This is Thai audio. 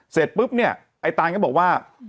เสร็จปุ๊บเนี่ยไอ้ตานก็บอกว่า